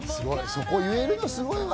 そこ、言えるのは偉いわ。